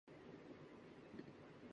جو عُمر بیت گئی اُس کو بھُول جاؤں رضاؔ